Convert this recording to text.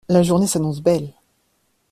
La journée s’annonce belle.